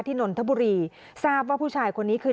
นนทบุรีทราบว่าผู้ชายคนนี้คือ